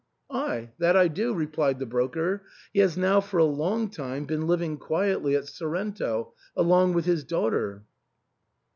"Ay, that I do," replied the broker ;" he has now for a long time been living quietly at Sorrento along with his daughter."